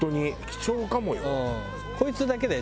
貴重かもよ。